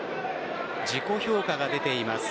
自己評価が出ています。